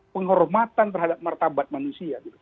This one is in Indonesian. penghormatan terhadap martabat manusia